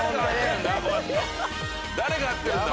誰が合ってるんだ？